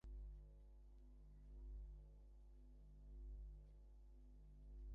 একপর্যায়ে অন্তঃসত্ত্বা হয়ে পড়লে মোস্তাফিজুর মেয়েটির গর্ভপাত করাতে হযরত আলীর কাছে যান।